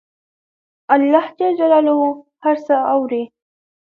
الله ج هر څه اوري